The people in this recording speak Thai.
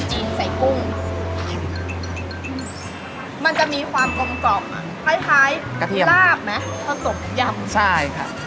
ความเป็นมะละกรที่มันเป็นเส้นปากเนี่ยมันจะทำให้แบบเหมือนมันอม